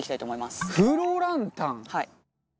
はい。